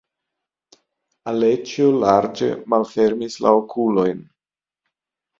Aleĉjo larĝe malfermis la okulojn.